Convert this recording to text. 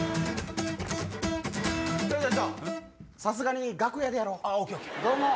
さすがに楽屋でやろう。